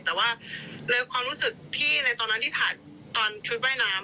แต่ว่าในความรู้สึกพี่ในตอนนั้นที่ถ่ายตอนชุดว่ายน้ำ